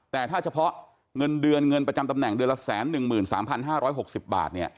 แต่ถ้าเฉพาะเงินเดือนเงินประจำตำแหน่งเดือนละ๑๑๓๕๖๐บาท